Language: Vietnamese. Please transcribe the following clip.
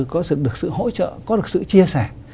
có sự được sự hỗ trợ có được sự chia sẻ